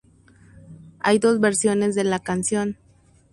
Hay dos versiones de la canción.